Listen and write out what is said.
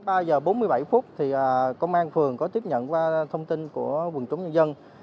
ba giờ bốn mươi bảy phút thì công an phường có tiếp nhận qua thông tin của quần chúng nhân dân